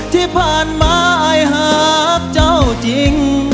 ที่ผ่านมาหากเจ้าจริง